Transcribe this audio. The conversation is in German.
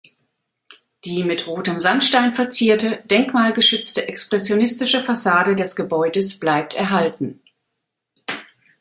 Die mit rotem Sandstein verzierte, denkmalgeschützte expressionistische Fassade des Gebäudes bleibt erhalten.